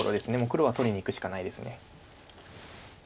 黒は取りにいくしかないです。